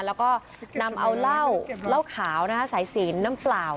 แล้วก็นำเอาเหล้าเหล้าขาวสายศีลน้ำเปล่า